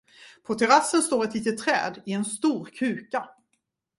På terassen står ett litet träd i en stor kruka.